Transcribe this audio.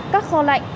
các kho lạnh